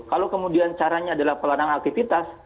kalau kemudian caranya adalah pelarangan aktivitas